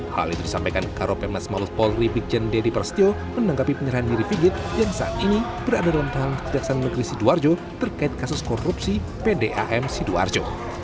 hal itu disampaikan karopemes maulus paul ribikjen dedy prostio menanggapi penyerahan diri vigit yang saat ini berada dalam tahanan kejaksaan negeri sidoarjo terkait kasus korupsi pdam sidoarjo